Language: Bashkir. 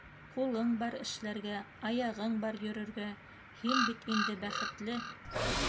Ҡулың бар эшләргә, аяғын бар йөрөргә, һин бит инде бәхетле!!!